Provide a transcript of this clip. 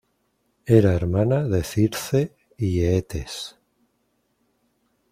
Era hermana de Circe y Eetes.